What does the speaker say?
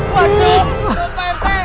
waduh mau pente